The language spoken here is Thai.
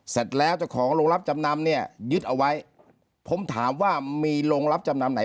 เสร็จแล้วเจ้าของโรงรับจำนำเนี่ยยึดเอาไว้ผมถามว่ามีโรงรับจำนำไหน